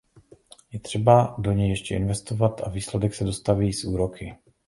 Je třeba do něj ještě investovat a výsledek se dostaví i s úroky.